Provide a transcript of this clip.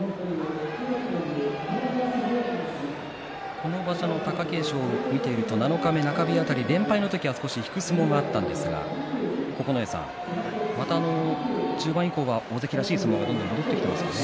この場所の貴景勝を見ていると七日目、中日辺り連敗の時は少し引く相撲があったんですが九重さん、また中盤以降は大関らしい相撲が戻ってきていますね。